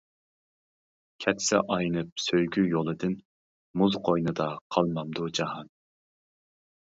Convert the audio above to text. كەتسە ئاينىپ سۆيگۈ يولىدىن، مۇز قوينىدا قالمامدۇ جاھان.